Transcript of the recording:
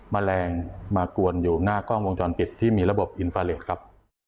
แมลงมากวนอยู่หน้ากล้องวงจรปิดที่มีระบบอินฟาเลสครับ